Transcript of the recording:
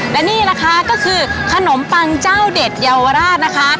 และนี่นะคะก็คือขนมปังเจ้าเด็ดเยาวราชนะคะ